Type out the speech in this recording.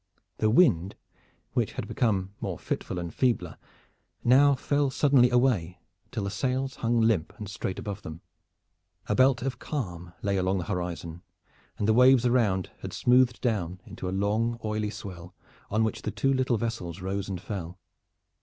The wind, which had become more fitful and feebler, now fell suddenly away, until the sails hung limp and straight above them. A belt of calm lay along the horizon, and the waves around had smoothed down into a long oily swell on which the two little vessels rose and fell.